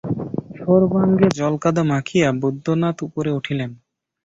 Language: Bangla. সর্বাঙ্গে জলকাদা মাখিয়া বৈদ্যনাথ উপরে উঠিলেন।